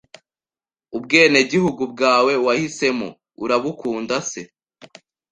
Ubwenegihugu bwawe, wahisemo?urabukunda se?